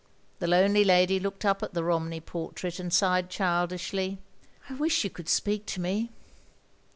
The lonely lady looked up at the Ronmey portrait, and sighed childishly. " I wish you could speak to me."